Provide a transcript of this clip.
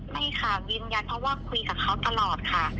ไม่ค่ะยืนยันเพราะว่าคุยกับเขาตลอดค่ะ